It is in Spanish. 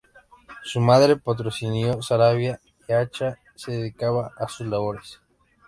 Su madre, Patrocinio Saravia y Acha, se dedicaba a sus labores.